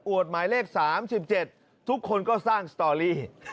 หมายเลข๓๗ทุกคนก็สร้างสตอรี่